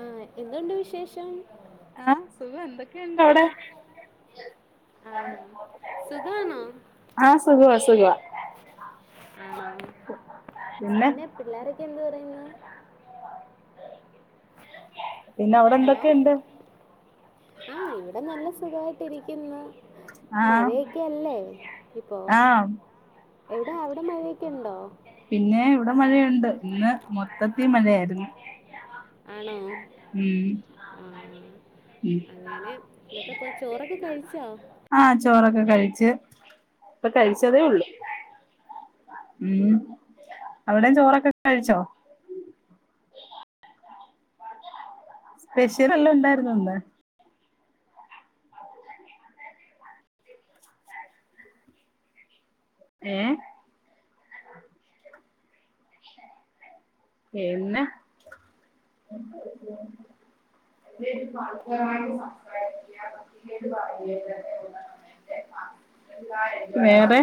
ആഹ എന്തുണ്ട് വിശേഷം ആഹ സുഖം എന്തൊക്കെയുണ്ട് അവിടെ ആഹ സുഖണോ ആഹ് സുഖവാ സുഖവാ ആണോ പിന്നെ പിള്ളോര ക്കെ എന്ത് പറയുന് പിന്നെ അവിടെ എന്തൊക്കെയുണ്ട് ആഹ ഇവിടെ നല്ല സുഖായിട്ടിരിക്കുന്നു ആഹ് മഴയൊക്കെ അല്ലേ ഇപ്പോൊ ആഹ് എവിടെ അവിടെ മഴയൊക്കെ ഉണ്ടോ പിന്നെ ഇവിടെ മഴയുണ്ട് ഇന്ന് മൊത്തത്തി മഴയായിരുന്നു ആണോ ഉം ആഹ ഉം അങ്ങനെ ഇതൊക്കെ ചോറൊക്കെ കഴിച്ചോ ആഹ ചോറൊക്കെ കഴിച്ച് ഇപ്പൊ കഴിച്ചതേ ഉള്ളു ഉം അവിടെയും ചോറൊക്കെ കഴിച്ചോ സ്പെഷ്യൽ എല്ലാം ഉണ്ടായിരുനോന്ന് ഏ പിന്നെ എരമായിട്ട് സംസാരിക്ക കേട്ട് പറ [inaudible] [inaudible] വേറെ